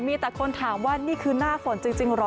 มีแต่คนถามว่านี่คือหน้าฝนจริงเหรอ